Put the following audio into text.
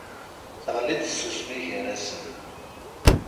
Teɣli-d tsusmi gar-asen.